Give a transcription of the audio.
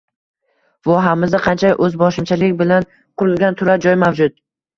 Vohamizda qancha oʻzboshimchalik bilan qurilgan turar joy mavjud?